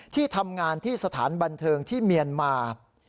ที่ทำงานที่สถานบันเทิงที่เมียนมา